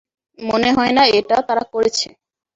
মনে হয় না এটা তারা করেছে!